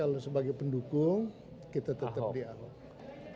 tapi kalau sebagai pendukung kita tetap di ahok